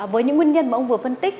với những nguyên nhân mà ông vừa phân tích